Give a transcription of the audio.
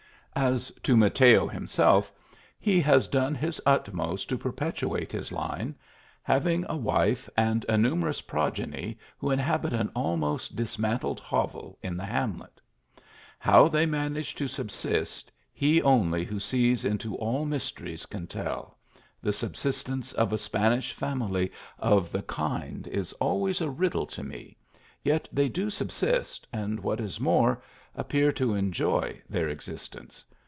As to Mateo himself, he has done his utmost to perpetuate his line; having a wife, and a numerous progeny who inhabit an almost dismantled hovel in the hamlet. How they manage to subsist, He only who sees into all mysteries can tell the subsistence of a Spanish family of the kind is always a riddle to me ; yet they do subsist, and, what is more, appear to enjoy their existence.